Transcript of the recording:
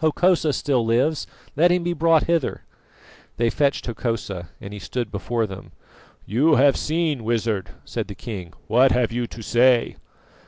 Hokosa still lives, let him be brought hither." They fetched Hokosa, and he stood before them. "You have seen, Wizard," said the king. "What have you to say?"